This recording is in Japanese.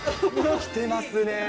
きてますね。